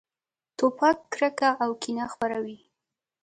توپک کرکه او کینه خپروي.